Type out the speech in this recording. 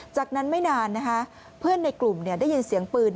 จากนั้นไม่นานนะคะเพื่อนในกลุ่มได้ยินเสียงปืน